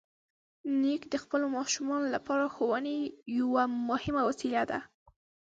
نیکه د خپلو ماشومانو لپاره د ښوونې یوه مهمه وسیله ده.